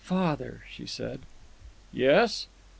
"Father," she said. "Yes?"